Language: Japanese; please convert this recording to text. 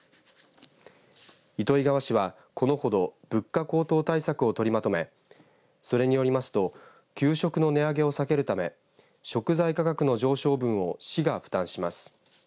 糸魚川市はこのほど物価高騰対策を取りまとめそれによりますと給食の値上げを避けるため食材価格の上昇分を市が負担します。